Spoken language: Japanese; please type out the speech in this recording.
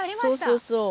そうそうそう。